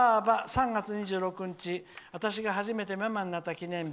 「３月２６日、私が初めてママになった記念日。